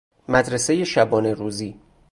مدرسۀ شبانه روزی